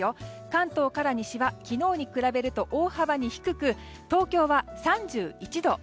関東から西は昨日に比べると大幅に低く東京は３１度。